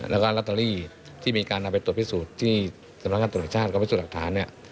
และก็อารโตรี่ที่มีการเอาไปตรวจพิสูจน์ที่สำหรับนักประทองชาติเค้าวิสูจน์หลักฐาน